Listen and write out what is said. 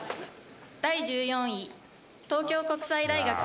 第１４位、東京国際大学。